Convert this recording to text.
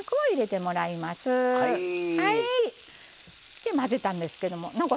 で混ぜたんですけども南光さん